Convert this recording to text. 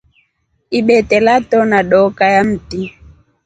Ibete latona dokaa ya mti.